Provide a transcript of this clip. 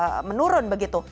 mungkin menurun begitu